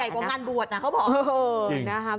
ใหญ่กว่างานบวชนะเขาบอก